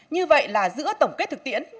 như vậy là giữa tổng kết thực tiễn